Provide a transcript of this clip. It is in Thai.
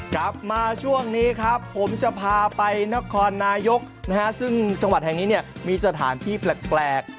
กลับมาช่วงนี้ครับผมจะพาไปนครนายกนะฮะซึ่งจังหวัดแห่งนี้เนี่ยมีสถานที่แปลก